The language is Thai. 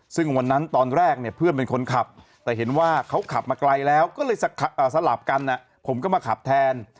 ซึ่งวันนั้นตอนแรกเนี่ยเพื่อนเป็นคนขับแต่เห็นว่าเขาขับมาไกลแล้วก็เลยสลับกันผมก็มาขับแทน